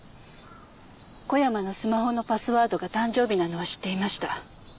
小山のスマホのパスワードが誕生日なのは知っていました。